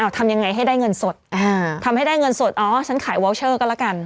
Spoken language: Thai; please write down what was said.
ทำยังไงให้ได้เงินสดทำให้ได้เงินสดอ๋อฉันขายวอลเชอร์ก็แล้วกัน